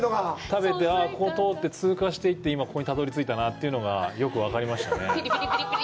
食べて、あっ、ここを通って、通過していって、今ここにたどり着いたなというのがよく分かりましたね。